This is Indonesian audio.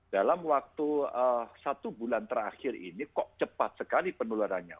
dalam waktu satu bulan terakhir ini kok cepat sekali penularannya